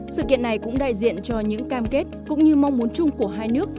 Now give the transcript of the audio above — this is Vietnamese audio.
ngày cũng đại diện cho những cam kết cũng như mong muốn chung của hai nước